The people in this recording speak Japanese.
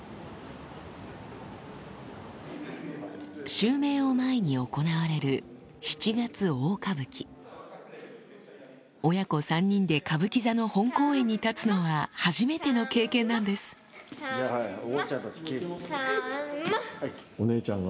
襲名を前に行われる七月大歌舞伎親子３人で歌舞伎座の本公演に立つのは初めての経験なんですさんま！